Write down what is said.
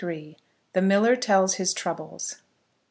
THE MILLER TELLS HIS TROUBLES.